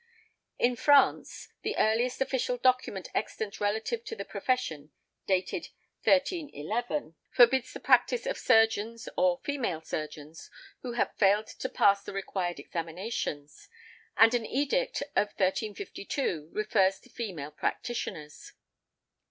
In France, the earliest official document extant relative to the profession (dated 1311) forbids the practice of surgeons, or female surgeons, who have failed to pass the required examinations; and an edict of 1352 refers to female practitioners.